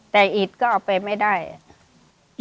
แต่อิดก็เอาไปไม่ได้